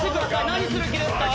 何する気ですか？